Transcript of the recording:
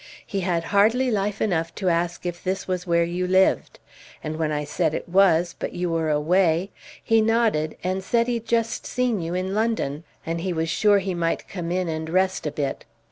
He had hardly life enough to ask if this was where you lived; and when I said it was, but you were away, he nodded and said he'd just seen you in London; and he was sure he might come in and rest a bit.